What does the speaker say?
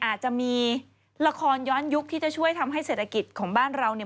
อาจจะมีละครย้อนยุคที่จะช่วยทำให้เศรษฐกิจของบ้านเราเนี่ย